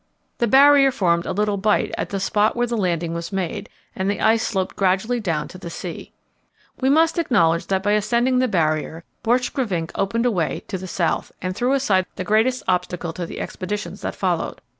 The Barrier formed a little bight at the spot where the landing was made, and the ice sloped gradually down to the sea. We must acknowledge that by ascending the Barrier, Borchgrevink opened a way to the south, and threw aside the greatest obstacle to the expeditions that followed.